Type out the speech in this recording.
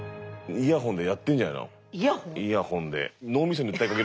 イヤホンで。